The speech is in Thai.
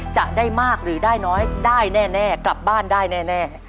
จะได้มากหรือได้น้อยได้แน่กลับบ้านได้แน่